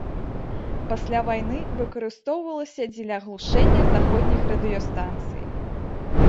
Пасля вайны выкарыстоўвалася дзеля глушэння заходніх радыёстанцый.